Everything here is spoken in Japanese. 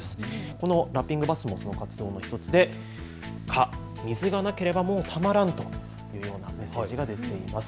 このラッピングバスもその活動の１つで蚊、水がなければもうたまらんというメッセージが出ています。